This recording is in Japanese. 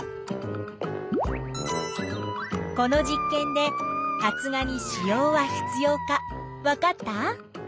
この実験で発芽に子葉は必要かわかった？